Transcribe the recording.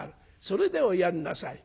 それでおやんなさい」。